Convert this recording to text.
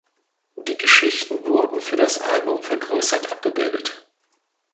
Die Geschichten wurden für das Album vergrößert abgebildet.